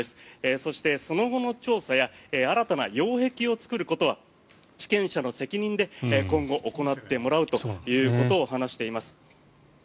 そして、その後の調査や新たな擁壁を作ることは地権者の責任で今後行ってもらうということを話しています。